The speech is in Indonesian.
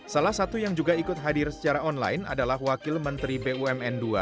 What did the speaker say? salah satu yang juga ikut hadir secara online adalah wakil menteri bumn ii